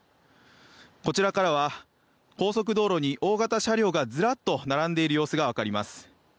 こちらからは高速道路に大型車両がずらっと並んでいる様子が分かります。